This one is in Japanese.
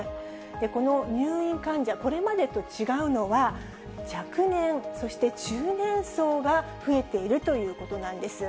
この入院患者、これまでと違うのは、若年、そして中年層が増えているということなんです。